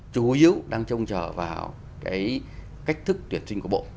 chủ yếu đang trông trở vào cái cách thức tuyển sinh của bộ